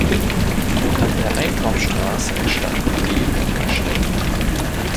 An der Einkaufsstraße entstanden Läden und Gaststätten.